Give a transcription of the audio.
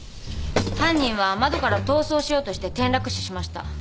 犯人は窓から逃走しようとして転落死しました。